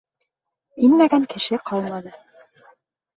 Инмәгән кеше ҡалманы.